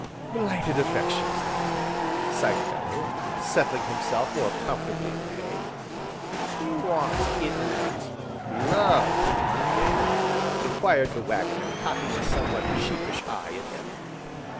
"Blighted affections, then," sighed Bellew, settling himself more comfortably in the hay. "You aren't 'inting at love, are ye?" enquired the Waggoner cocking a somewhat sheepish eye at him.